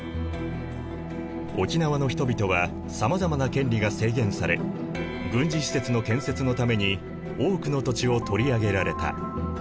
沖縄の人々はさまざまな権利が制限され軍事施設の建設のために多くの土地を取り上げられた。